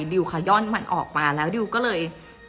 ดิวขย่อนมันออกมาแล้วดิวก็เลย